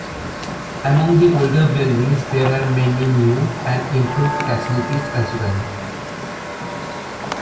Among the older buildings, there are many new and improved facilities as well.